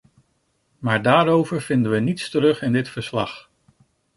Maar daarover vinden we niets terug in dit verslag.